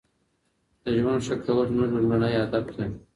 د ژوند ښه کول زموږ لومړنی هدف دی.